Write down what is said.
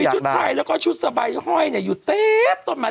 โดยมีชุดไทยแล้วก็ชุดสบายห้อยอยู่เต๊บต่อมา